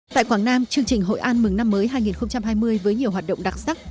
tại quảng nam chương trình hội an mừng năm mới hai nghìn hai mươi với nhiều hoạt động đặc sắc